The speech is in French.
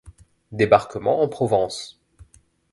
Débarquement en Provence.